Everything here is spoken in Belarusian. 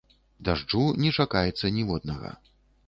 Дажджу не чакаецца ніводнага.